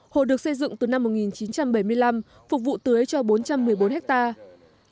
hồ được xây dựng từ năm một nghìn chín trăm bảy mươi năm phục vụ tưới cho bốn trăm một mươi bốn hectare